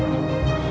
ombak tampar lara